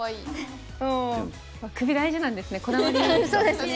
首が大事なんですね。